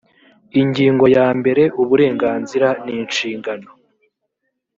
ingingo ya mbere uburenganzira n inshingano